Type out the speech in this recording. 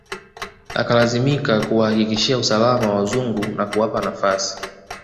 Akalazimika kuwahakikishia usalama wazungu na kuwapa nafasi